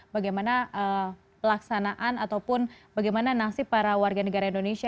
bagaimana pelaksanaan ataupun bagaimana nasib para warga negara indonesia